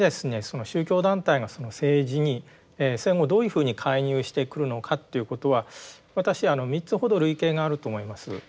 その宗教団体が政治に戦後どういうふうに介入してくるのかっていうことは私あの３つほど類型があると思います。